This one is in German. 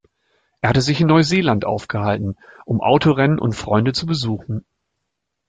Er hatte sich in Neuseeland aufgehalten, um Autorennen und Freunde zu besuchen.